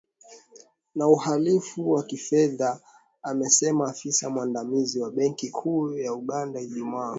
na uhalifu wa kifedha amesema afisa mwandamizi wa benki kuu ya Uganda, Ijumaa